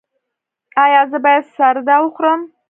ایا زه باید سردا وخورم؟